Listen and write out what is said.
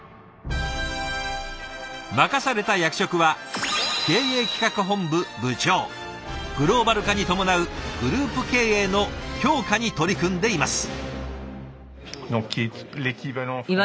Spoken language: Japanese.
任された役職はグローバル化に伴うグループ経営の強化に取り組んでいます。